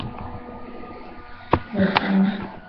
尾斑裸天竺鲷为天竺鲷科裸天竺鲷属的鱼类。